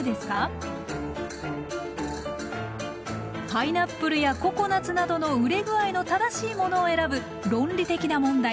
パイナップルやココナツなどの熟れ具合の正しいものを選ぶ論理的な問題。